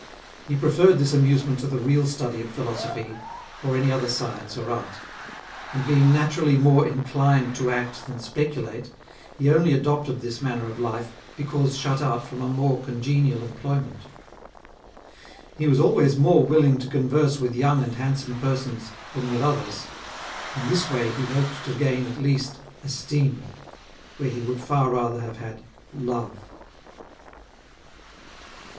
He pre ferred this amusement to the real study of philosophy, or any other science or art ; and being naturally more inclined to act than speculate, he only adopted this manner of life, because shut out from a more con genial employment. He was always more willing to converse with young and handsome persons than with others ; in this way he hoped to gain at least esteem, where he would far rather have had love."